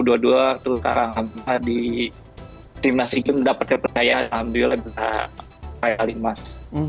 terus sekarang di timnas u sembilan belas dapat kepercayaan alhamdulillah bisa kaya limas